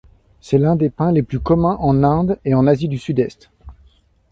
C'est l'un des pins les plus communs en Inde et Asie du Sud-Est.